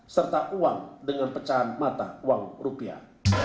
serta uang dengan pecahan mata uang rupiah